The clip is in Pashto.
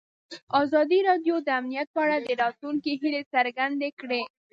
ازادي راډیو د امنیت په اړه د راتلونکي هیلې څرګندې کړې.